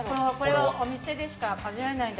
お店でしか味わえないんだ